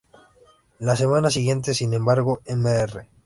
La semana siguiente, sin embargo, Mr.